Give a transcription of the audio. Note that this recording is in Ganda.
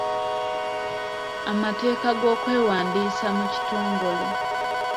Amateeka g'okwewandiisa mu kitongole.